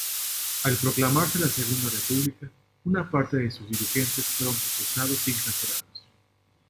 Al proclamarse la Segunda República, una parte de sus dirigentes fueron procesados y encarcelados.